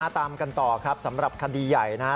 ตามกันต่อครับสำหรับคดีใหญ่นะฮะ